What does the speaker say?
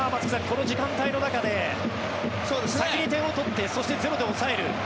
この時間帯の中で先に点を取ってそしてゼロで抑える。